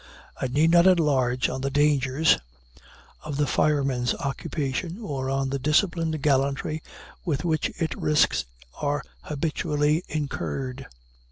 I need not enlarge on the dangers of the fireman's occupation, or on the disciplined gallantry with which its risks are habitually incurred.